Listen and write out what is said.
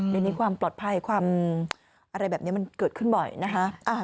เดี๋ยวนี้ความปลอดภัยความอะไรแบบนี้มันเกิดขึ้นบ่อยนะคะ